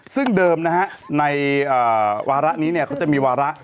ซึ่งเดิมนะฮะในวาระนี้เขาจะมีวาระ